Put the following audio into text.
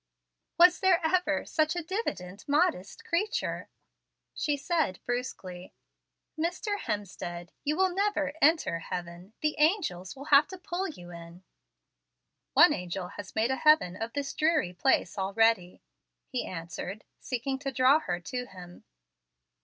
"Was there ever such a diffident, modest creature!" she said, brusquely. "Mr. Hemstead, you will never ENTER Heaven. The angels will have to pull you in." "One angel has made a heaven of this dreary place already," he answered, seeking to draw her to him.